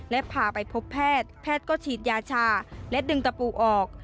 และพาไปพบแพทย์แพทย์ก็ฉีดยาชาและดึงตะปูออก